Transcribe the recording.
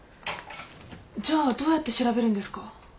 じゃあどうやって調べるんですか？